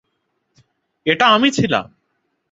এটা আমি ছিলাম!